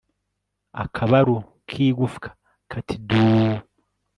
Akabaru kigufwa kati duuu